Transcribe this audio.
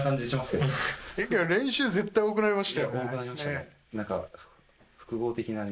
・練習絶対多くなりましたよ。